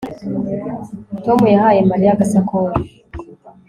Tom yahaye Mariya agasakoshi